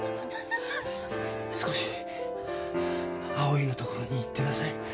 少し葵のところに行ってなさい。